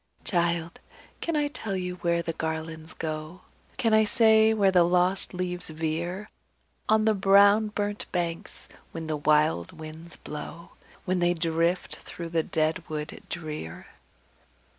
"Child! can I tell where the garlands go? Can I say where the lost leaves veer On the brown burnt banks, when the wild winds blow, When they drift through the dead wood drear?